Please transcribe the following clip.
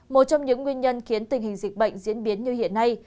một trong những nguyên nhân khiến tình hình dịch bệnh diễn biến như hiện nay